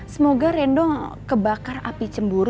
semoga rendo kebakar api cemburu